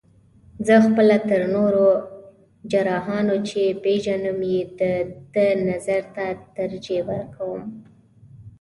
زه خپله تر نورو جراحانو، چې پېژنم یې د ده نظر ته ترجیح ورکوم.